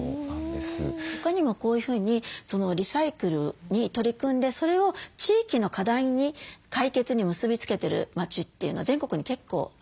他にもこういうふうにリサイクルに取り組んでそれを地域の課題に解決に結び付けてる町というのは全国に結構あるんですね。